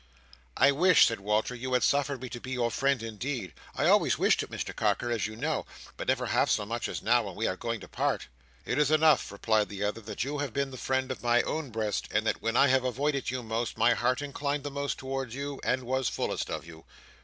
"I wish," said Walter, "you had suffered me to be your friend indeed. I always wished it, Mr Carker, as you know; but never half so much as now, when we are going to part." "It is enough," replied the other, "that you have been the friend of my own breast, and that when I have avoided you most, my heart inclined the most towards you, and was fullest of you.